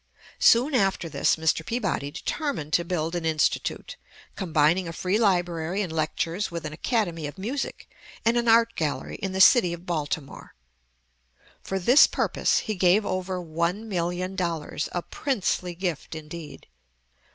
Soon after this, Mr. Peabody determined to build an Institute, combining a free library and lectures with an Academy of Music and an Art Gallery, in the city of Baltimore. For this purpose he gave over one million dollars a princely gift indeed!